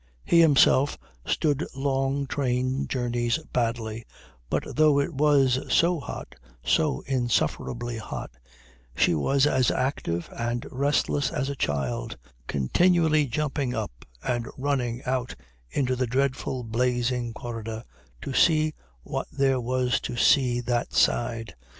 He himself stood long train journeys badly; but though it was so hot, so insufferably hot, she was as active and restless as a child, continually jumping up and running out into the dreadful blazing corridor to see what there was to see that side.